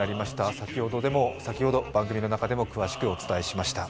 先ほど、番組の中でも詳しくお伝えしました。